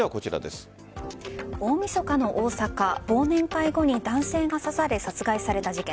大晦日の大阪忘年会後に男性が刺され殺害された事件。